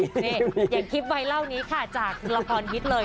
นี่อย่างคลิปวัยเล่านี้ค่ะจากละครฮิตเลย